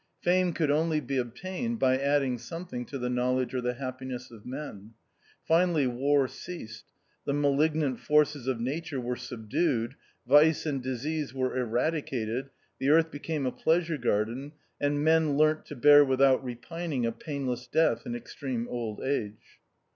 Fame could only be obtained by adding something to the knowledge or the happiness of men. Finally war ceased ; the malignant forces of Nature were subdued, vice and disease were eradicated, the earth became a plea sure garden, and men learnt to bear without repining a painless death in extreme old age.